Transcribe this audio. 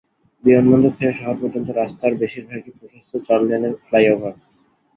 বিমানবন্দর থেকে শহর পর্যন্ত রাস্তার বেশির ভাগই প্রশস্ত চার লেনের ফ্লাইওভার।